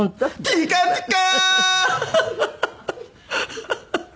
ピカピカ。